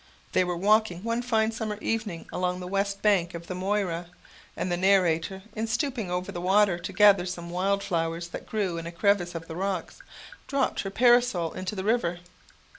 They were walking one fine summer evening along the west bank of the Moira, and the narrator, in stooping over the water to gather some wild flowers that grew in a crevice of the rocks, dropped her parasol into the river.